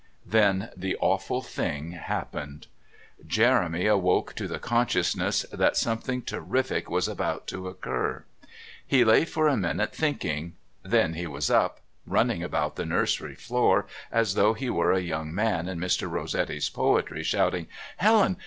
Then the awful thing happened. Jeremy awoke to the consciousness that something terrific was about to occur. He lay for a minute thinking then he was up, running about the nursery floor as though he were a young man in Mr. Rossetti's poetry shouting: "Helen!